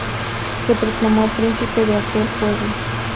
Se proclamó príncipe de aquel pueblo.